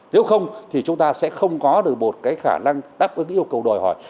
nếu không thì chúng ta sẽ không có được một cái khả năng đáp ứng yêu cầu đòi hỏi